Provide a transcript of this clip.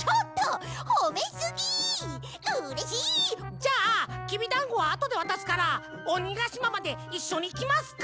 じゃあきびだんごはあとでわたすからおにがしままでいっしょにいきますか？